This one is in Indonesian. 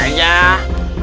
kalau gitu oke